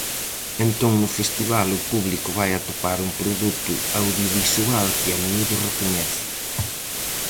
Entón no festival o público vai atopar un produto audiovisual que a miúdo recoñece.